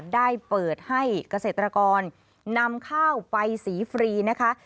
ได้เปิดให้เกษตรกรนำข้าวไปสีฟรีนะคะ